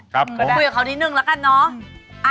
ครับพอดีฟะคุยกับเขานิ่งแล้วกันเนอะ